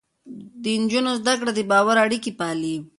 د نجونو زده کړه د باور اړيکې پالي.